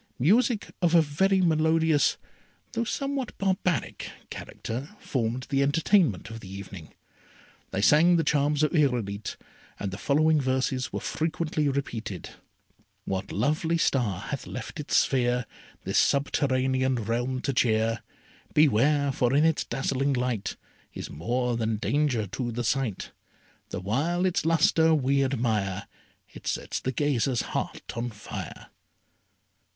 Music of a very melodious, though somewhat barbaric, character, formed the entertainment of the evening. They sang the charms of Irolite, and the following verses were frequently repeated: What lovely star hath left its sphere This subterranean realm to cheer? Beware! for in its dazzling light Is more than danger to the sight. The while its lustre we admire It sets the gazer's heart on fire.